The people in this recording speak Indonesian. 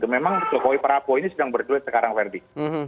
memang jokowi perapo ini sedang berdua sekarang verdi